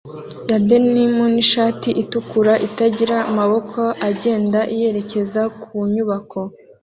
ya denim nishati itukura itagira amaboko agenda yerekeza ku nyubako